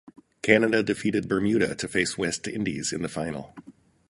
Canada defeated Bermuda, to face West Indies in the Final.